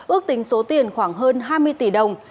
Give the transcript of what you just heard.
ước tính số tiền khoảng hơn hai mươi tỷ đồng